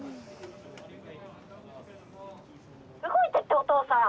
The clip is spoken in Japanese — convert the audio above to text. ☎動いてってお父さん。